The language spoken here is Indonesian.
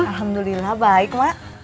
alhamdulillah baik ma